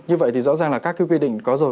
như vậy thì rõ ràng là các cái quy định có rồi